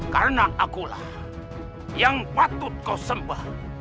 karena akulah yang patut kau sembah